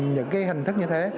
những cái hình thức như thế